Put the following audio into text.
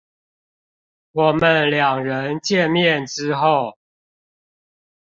我們兩人見面之後